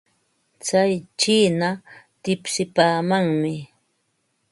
Tsay chiina tipsipaamanmi.